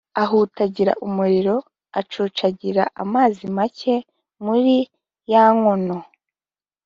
ahutagira umuriro, acucagira amazi make muri ya nkono.